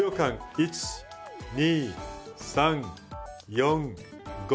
１２３４５。